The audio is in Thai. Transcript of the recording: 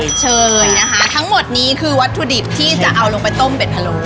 เชิญนะคะทั้งหมดนี้คือวัตถุดิบที่จะเอาลงไปต้มเด็ดพะโล